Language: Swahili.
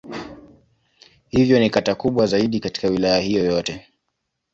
Hivyo ni kata kubwa zaidi katika Wilaya hiyo yote.